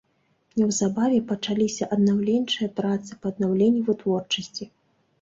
Неўзабаве пачаліся аднаўленчыя працы па аднаўленні вытворчасці.